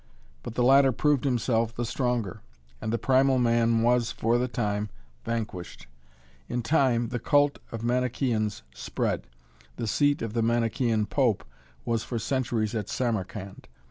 But the latter proved himself the stronger, and the primal man was, for the time, vanquished. In time the cult of the Manichæans spread. The seat of the Manichæan pope was for centuries at Samarkand.